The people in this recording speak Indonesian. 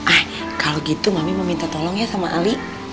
ah kalau gitu mami mau minta tolong ya sama ali